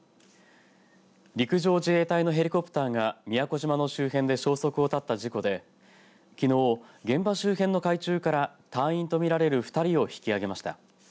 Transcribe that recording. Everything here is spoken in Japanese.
陸上自衛隊のヘリコプターが宮古島の周辺で消息を絶った事故できのう現場周辺の海中から隊員と見られる２人を引き揚げました。